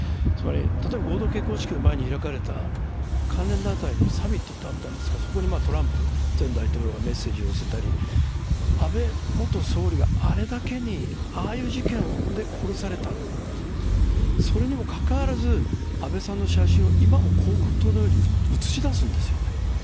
例えば合同結婚式の前に開かれた関連団体のサミットってあったんですけれども、そこにトランプ前大統領がメッセージを寄せたり、安倍元総理があれだけの、ああいう事件で殺された、それにもかかわらず安倍さんの写真を今も広告塔のように写し出すんですよね。